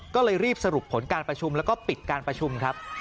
ก็เลยรีบสรุปผลการประชุมแล้วก็ปิดการประชุมครับ